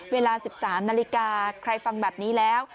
เวลา๑๓นาฬิกาใครฟังแบบนี้แล้ว